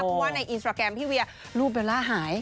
เพราะว่าในอินสตราแกรมพี่เวียรูปเบลล่าหาย